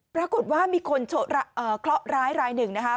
ปรากฏว่ามีคนเคราะหร้ายรายหนึ่งนะคะ